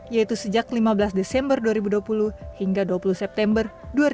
yaitu sejak lima belas desember dua ribu dua puluh hingga dua puluh september dua ribu dua puluh